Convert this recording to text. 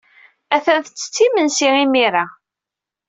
Attan tettet imensi imir-a.